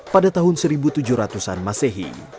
pada tahun seribu tujuh ratus an masehi